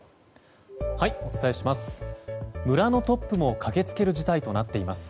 お伝えします。